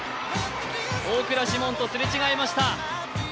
大倉士門とすれ違いました。